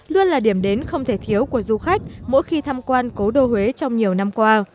luôn là điểm đến không thể thiếu của du khách mỗi khi tham quan cố đô huế trong nhiều năm qua